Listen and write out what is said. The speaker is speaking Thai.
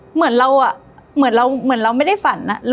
เหมือนเราไม่ได้ฝันอะ